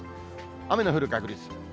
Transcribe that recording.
雨の降る確率。